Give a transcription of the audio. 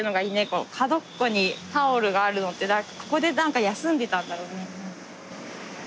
この角っこにタオルがあるのってここで休んでたんだろうね。